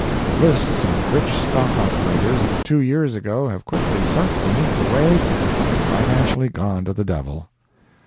The lists of rich stock operators of two years ago have quietly sunk beneath the wave and financially gone to the devil.